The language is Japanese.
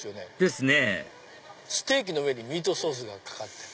ですねステーキの上にミートソースがかかってる。